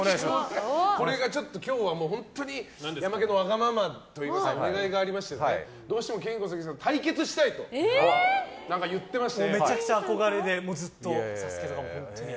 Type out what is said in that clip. これが、ちょっと今日はヤマケンのわがままといいますかお願いがありましてどうしてもケイン・コスギさんと対決したいと言っていまして。